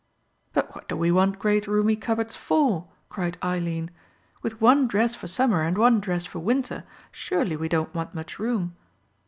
"But what do we want great, roomy cupboards for?" cried Eileen. "With one dress for summer and one dress for winter, surely we don't want much room?"